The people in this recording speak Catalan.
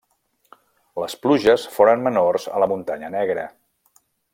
Les pluges foren menors a la Muntanya Negra.